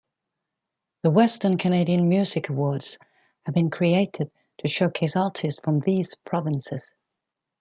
The Western Canadian Music Awards have been created to showcase artists from these provinces.